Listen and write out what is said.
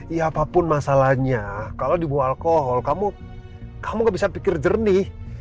ya apapun masalahnya kalau di bawah alkohol kamu gak bisa pikir jernih